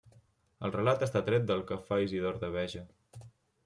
El relat està tret del que fa Isidor de Beja.